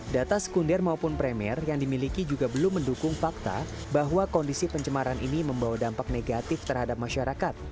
data sekunder maupun premier yang dimiliki juga belum mendukung fakta bahwa kondisi pencemaran ini membawa dampak negatif terhadap masyarakat